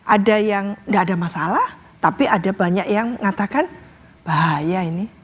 ada yang nggak ada masalah tapi ada banyak yang mengatakan bahaya ini